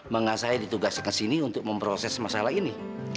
mangga saya ditugaskan ke sini untuk memproses masalah ini